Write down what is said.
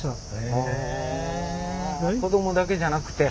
子どもだけじゃなくて。